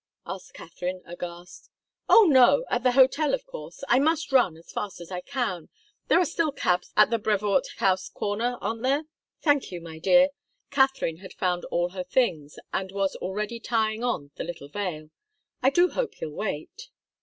asked Katharine, aghast. "Oh, no at the hotel, of course. I must run as fast as I can. There are still cabs at the Brevoort House corner, aren't there? Thank you, my dear " Katharine had found all her things and was already tying on the little veil. "I do hope he'll wait."